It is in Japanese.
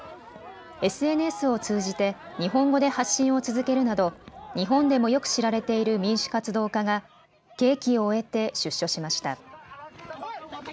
ＳＮＳを通じて日本語で発信を続けるなど日本でもよく知られている民主活動家が刑期を終えて出所しました。